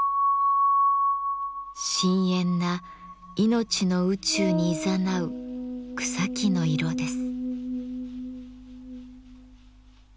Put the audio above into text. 深えんないのちの宇宙にいざなう草木の色です。